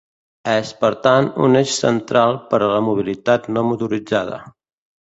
És, per tant, un eix central per a la mobilitat no motoritzada.